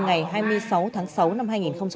ngày hai mươi sáu tháng sáu năm hai nghìn một mươi chín